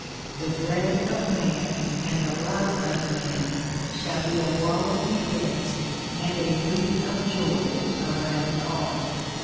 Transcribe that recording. The dread of man and the love of man shall be a wall of defence and a wreath of joy around all.